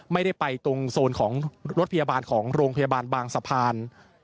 ไม่ได้ไปตรงโซนของรถพยาบาลของโรงพยาบาลบางสะพาน